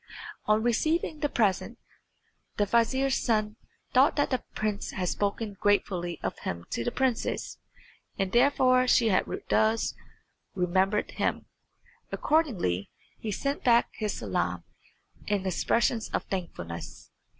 On receiving the present the vizier's son thought that the prince had spoken gratefully of him to the princess, and therefore she had thus remembered him. Accordingly he sent back his salam and expressions of thankfulness.